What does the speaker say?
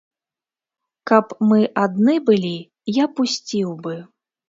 Каб мы адны былі, я пусціў бы.